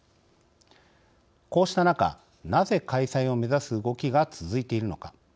こうした中なぜ開催を目指す動きが続いているのか。